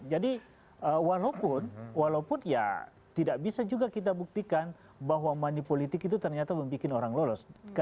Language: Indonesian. jadi walaupun ya tidak bisa juga kita buktikan bahwa mani politik itu ternyata membuat orang lolos